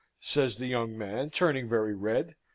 says the young man, turning very red.